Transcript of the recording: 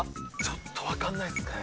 ちょっとわかんないですね。